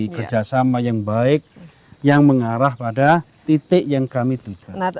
kerjasama yang baik yang mengarah pada titik yang kami tukar